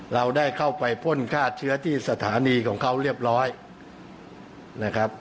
เราได้เข้าไปพ่นฆ่าเชื้อที่สถานีของเขาเรียบร้อยนะครับ